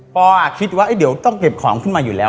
คิดว่าเดี๋ยวต้องเก็บของขึ้นมาอยู่แล้ว